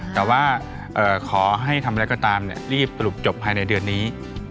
แต่ว่าขอให้ทำอะไรก็ตามรีบสรุปจบภายในเดือนนี้